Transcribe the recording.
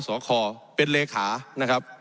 มีล้ำตีตั้นเนี่ยมีล้ำตีตั้นเนี่ย